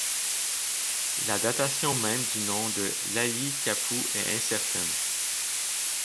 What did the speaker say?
La datation même du nom de l'Ali Qapou est incertaine.